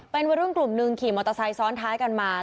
เป็นวัยรุ่นกลุ่มหนึ่งขี่มอเตอร์ไซค์ซ้อนท้ายกันมา